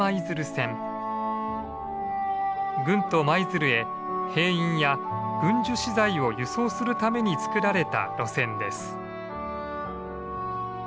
軍都・舞鶴へ兵員や軍需資材を輸送するために造られた路線です。